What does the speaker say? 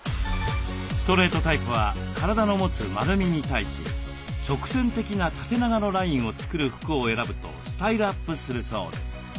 ストレートタイプは体の持つ丸みに対し直線的な縦長のラインを作る服を選ぶとスタイルアップするそうです。